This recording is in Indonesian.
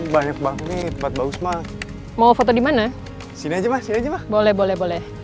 banyak banget bagus mah mau foto di mana sini aja boleh boleh